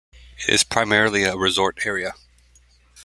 It is primarily a resort area.